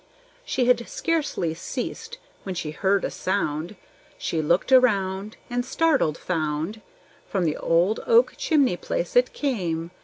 She had scarcely ceased when she heard a sound. She looked around, And, startled, found From the old oak chimney place it came.